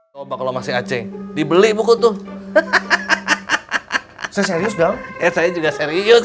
coba kalau masih acing dibeli buku tuh hahaha saya serius dong saya juga serius